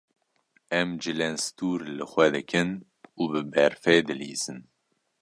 Em cilên stûr li xwe dikin û bi berfê dilîzin.